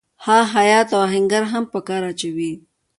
هغه خیاط او آهنګر هم په کار اچوي